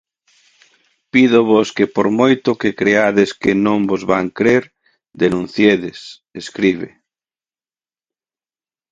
Pídovos que por moito que creades que non vos van crer, denunciedes, escribe.